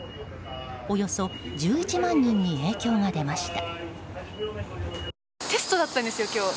およそ１１万人に影響が出ました。